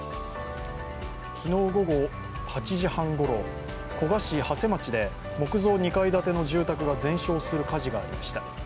昨日午後８時半ごろ古河市長谷町で木造２階建ての住宅が全焼する火事がありました。